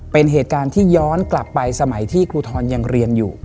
เป็นเหตุการณ์ที่ย้อนกลับไปสมัยที่ครูทรยังเรียนอยู่